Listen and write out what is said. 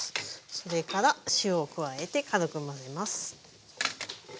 それから塩を加えて軽く混ぜます。